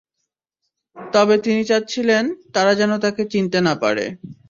তবে তিনি চাচ্ছিলেন, তারা যেন তাঁকে চিনতে না পারে।